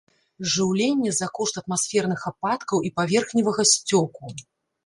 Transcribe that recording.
Жыўленне за кошт атмасферных ападкаў і паверхневага сцёку.